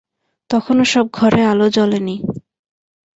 তখনো সব ঘরে আলো জ্বলে নি।